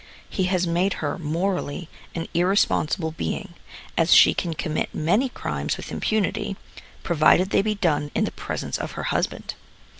He has made her, morally, an irresponsible being, as she can commit many crimes with impunity, provided they be done in the presence of her husband.